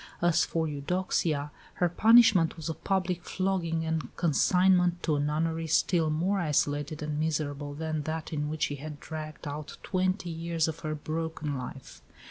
As for Eudoxia, her punishment was a public flogging and consignment to a nunnery still more isolated and miserable than that in which she had dragged out twenty years of her broken life.